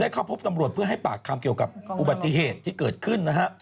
เข้าพบตำรวจเพื่อให้ปากคำเกี่ยวกับอุบัติเหตุที่เกิดขึ้นนะฮะ